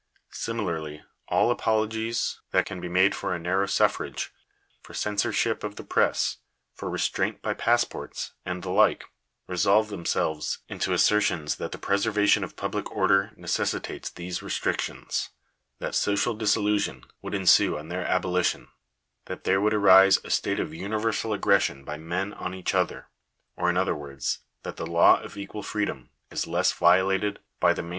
Similarly, all apologies that can be made for a narrow suffrage, for censor ship of the press, for restraint by passports, and the like, resolve themselves into assertions that the preservation of public order necessitates these restrictions — that social dissolution would ensue on their abolition — that there would arise a state of uni versal aggression by men on each other — or, in other words, that the law of equal freedom is less violated by the mainte H h 2 Digitized by VjOOQIC 468 CONCLUSION.